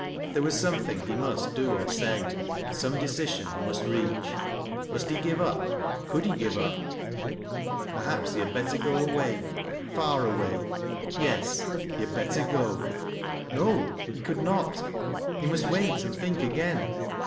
There was something he must do or say, — some de cision he must reach. Must he give up ? Could he give up ? Perhaps he had better go away, — far away. Yes ; he had better go. No, — he could not, — he must wait and think again.